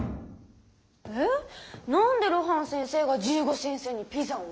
なんで露伴先生が十五先生にピザを？